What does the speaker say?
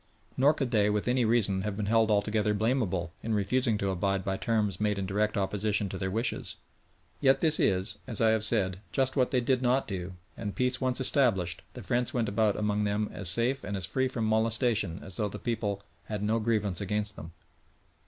Nor could they with any reason have been held altogether blamable in refusing to abide by terms made in direct opposition to their wishes. Yet this is, as I have said, just what they did not do, and peace once established, the French went about among them as safe and as free from molestation as though the people had no grievance against them.